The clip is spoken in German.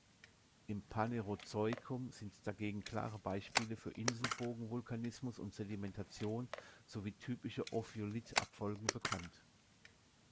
Im Phanerozoikum sind dagegen klare Beispiele für Inselbogen-Vulkanismus und -Sedimentation sowie typische Ophiolith-Abfolgen bekannt.